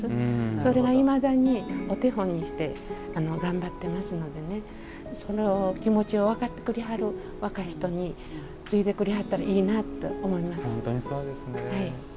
それがいまだにお手本にして頑張っていますのでその気持ちを分かってくれはる若い人に継いでくれはったらいいなと思います。